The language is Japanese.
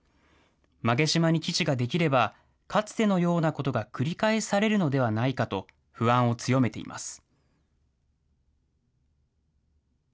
馬毛島に基地が出来れば、かつてのようなことが繰り返されるのではないかと、不安を強めています。